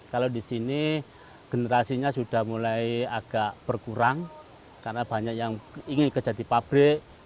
kalau di sini generasinya sudah mulai agak berkurang karena banyak yang ingin kerja di pabrik